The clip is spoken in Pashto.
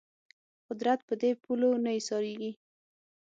قدرت په دې پولو نه ایسارېږي